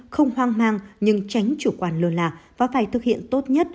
không hoang mang nhưng tránh chủ quan lừa lạ và phải thực hiện tốt nhất